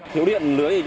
để sử dụng được